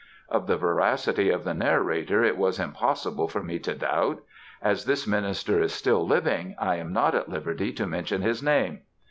Of the veracity of the narrator it was impossible for me to doubt. As this minister is still living I am not at liberty to mention his name.